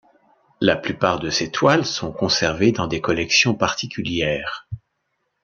La plupart de ses toiles sont conservées dans des collections particulières.